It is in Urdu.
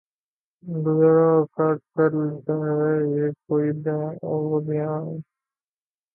گزر اوقات کر لیتا ہے یہ کوہ و بیاباں میں